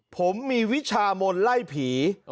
ผมมีวิชามนต์ไล่ผี